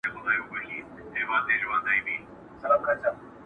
o چي جنگ سوړ سو ، ميرى تود سو٫